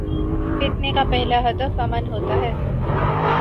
فتنے کا پہلا ہدف امن ہو تا ہے۔